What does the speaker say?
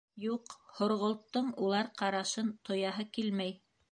Юҡ, һорғолттоң улар ҡарашын тояһы килмәй.